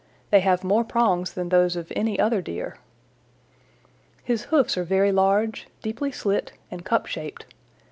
They have more prongs than those of any other Deer. "His hoofs are very large, deeply slit, and cup shaped.